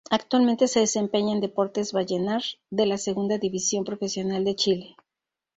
Actualmente se desempeña en Deportes Vallenar de la Segunda División Profesional de Chile.